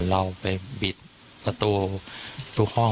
เราไปบิดประตูทุกห้อง